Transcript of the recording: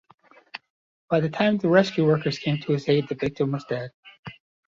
By the time rescue workers came to his aid, the victim was dead.